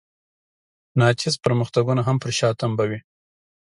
ناچیز پرمختګونه هم پر شا تمبوي.